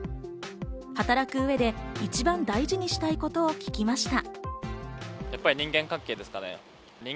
働く上で一番大事にしたいことを聞きました。